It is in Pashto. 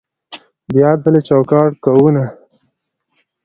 بیا ځلې چوکاټ کوونه